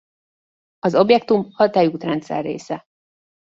Az objektum a Tejútrendszer része.